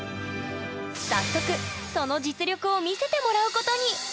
早速その実力を見せてもらうことに！